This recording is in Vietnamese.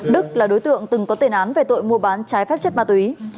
đức là đối tượng từng có tên án về tội mua bán trái phép chất ma túy